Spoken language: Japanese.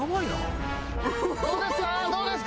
どうですか？